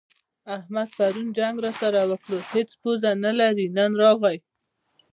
احمد پرون جنګ راسره وکړ؛ هيڅ پزه نه لري - نن راغی.